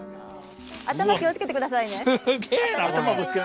頭気をつけてくださいね。